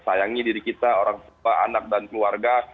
sayangi diri kita anak dan keluarga